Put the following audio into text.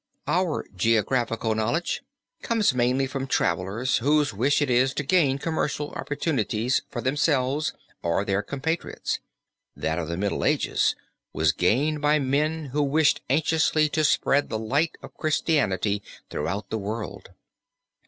Our geographical knowledge comes mainly from travelers whose wish it is to gain commercial opportunities for themselves or their compatriots; that of the Middle Ages was gained by men who wished anxiously to spread the light of Christianity throughout the world.